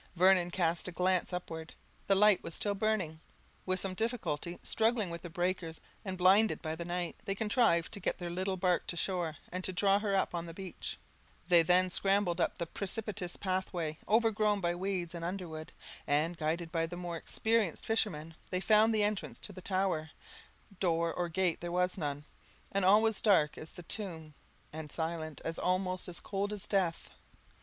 Vernon cast a glance upward, the light was still burning. With some difficulty, struggling with the breakers, and blinded by night, they contrived to get their little bark to shore, and to draw her up on the beach: they then scrambled up the precipitous pathway, overgrown by weeds and underwood, and, guided by the more experienced fishermen, they found the entrance to the tower, door or gate there was none, and all was dark as the tomb, and silent and almost as cold as death.